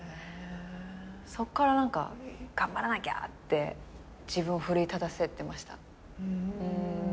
そっから何か頑張らなきゃって自分を奮い立たせてました。